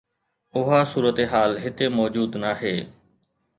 اها صورتحال هتي موجود ناهي.